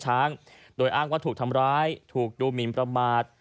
ช้างโดยอ้างว่าถูกทำร้ายถูกดูหมินประมาท